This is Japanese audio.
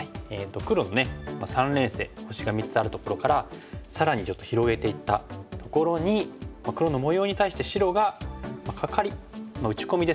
黒の三連星星が３つあるところから更にちょっと広げていったところに黒の模様に対して白がカカリ打ち込みですけどね。